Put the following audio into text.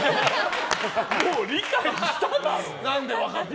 もう理解しただろ。